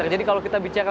jadi kalau kita bicara